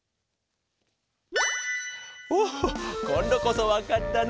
おっこんどこそわかったな。